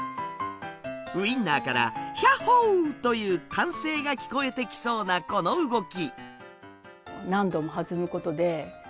ウインナーから「ひゃっほー」という歓声が聞こえてきそうなこの動き。